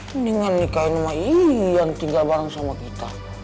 mendingan nikahin sama ian tinggal bareng sama kita